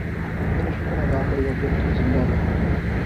تیرا شکر ادا کروں اور جب تک زندہ رہوں